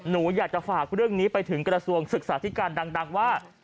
หนูอยากจะฝากเรื่องนี้ไปถึงกระทรวงศึกษาธิการดังว่า